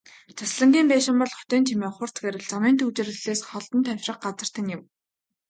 Зуслангийн байшин бол хотын чимээ, хурц гэрэл, замын түгжрэлээс холдон тайвшрах газар тань юм.